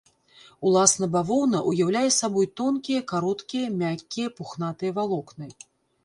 Уласна бавоўна ўяўляе сабой тонкія, кароткія, мяккія пухнатыя валокны.